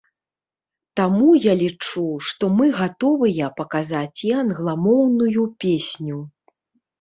Таму я лічу, што мы гатовыя паказаць і англамоўную песню.